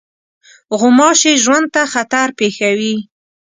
غوماشې ژوند ته خطر پېښوي.